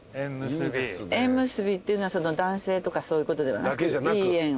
縁結びっていうのは男性とかそういうことではなくて。